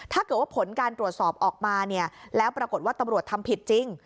ถ้าเกิดว่าผลการตรวจสอบออกมาเนี่ยแล้วปรากฏว่าตำรวจทำผิดจริง